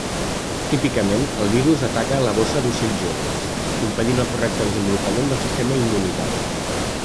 Típicament, el virus ataca la bossa d'ocells joves, impedint el correcte desenvolupament del sistema immunitari.